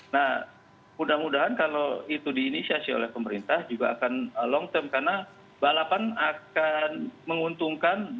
nah mudah mudahan kalau itu diinisiasi oleh pemerintah juga akan long term karena balapan akan menguntungkan